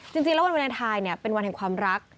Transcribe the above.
จริงแล้ววันวาเลนไทยเป็นวันแห่งความรัก